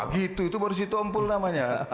gitu itu baru saja ditumpul namanya